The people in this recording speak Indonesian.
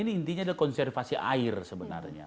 ini intinya adalah konservasi air sebenarnya